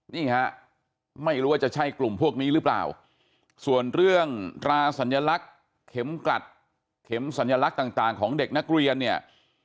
นี่ฮะไม่รู้ว่าจะใช่กลุ่มพวกนี้หรือเปล่าส่วนเรื่องราสัญลักษณ์เข็มกลัดเข็มสัญลักษณ์ต่างของเด็กนักเรียนเนี่ย